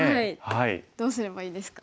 はいどうすればいいですか？